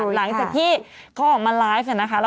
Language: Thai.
หลังจากที่ก็ออกมาไลฟ์แห่งกั้นนะคะ